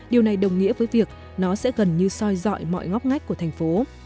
điều này đồng nghĩa với việc nó sẽ gần như soi dọi mọi ngóc ngách của thành phố